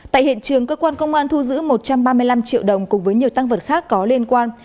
tại hiện trường cơ quan công an thu giữ một trăm ba mươi năm triệu đồng cùng với nhiều tăng vật khác có liên quan